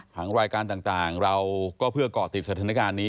ทางรายการต่างเราก็เพื่อเกาะติดสถานการณ์นี้